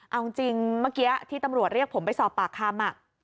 เอาจริงเมื่อกี้ที่ตำรวจเรียกผมไปสอบปากคำ